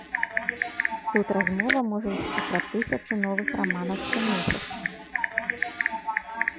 Тут размова можа ісці пра тысячы новых раманаў штомесяц.